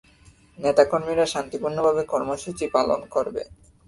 নেতা কর্মীরা শান্তিপূর্ণভাবে কর্মসূচি পালন করবে।